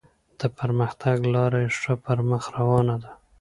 د پرمختګ لاره یې ښه پر مخ روانه ده.